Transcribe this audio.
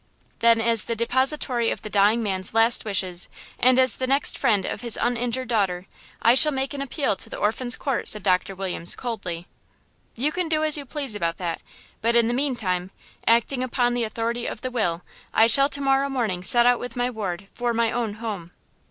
"Then, as the depository of the dying man's last wishes and as the next friend of his injured daughter, I shall make an appeal to the Orphans' Court," said Doctor Williams, coldly. "You can do as you please about that; but in the mean time, acting upon the authority of the will, I shall to morrow morning set out with my ward for my own home."